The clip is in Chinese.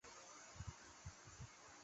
后来交趾太守士燮任命程秉为长史。